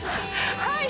はい！